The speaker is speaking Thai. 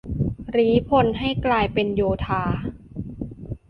รี้พลให้กลายเป็นโยธา